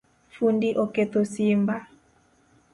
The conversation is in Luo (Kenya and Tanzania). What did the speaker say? Fundi oketho simba